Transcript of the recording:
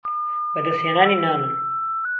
بەدەس هێنانی نانن